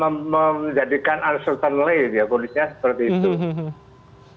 memjadikan uncertainly ya kondisinya seperti itu